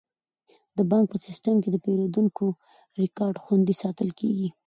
د بانک په سیستم کې د پیرودونکو ریکارډ خوندي ساتل کیږي.